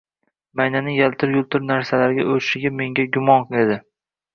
Maynaning yaltir-yultir narsalarga oʻchligi menga gumon edi.